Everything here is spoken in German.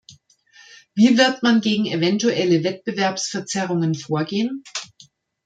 Wie wird man gegen eventuelle Wettbewerbsverzerrungen vorgehen?